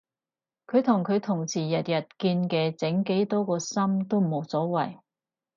佢同佢同事日日見嘅整幾多個心都冇所謂